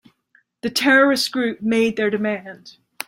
The terrorist group made their demand.